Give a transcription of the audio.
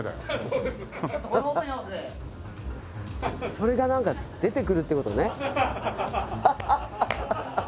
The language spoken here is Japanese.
それがなんか出てくるって事ね。